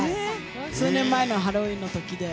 数年前のハロウィーンの時で。